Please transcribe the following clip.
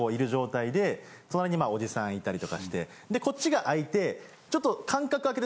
隣にまあおじさんいたりとかしてでこっちが空いてちょっと。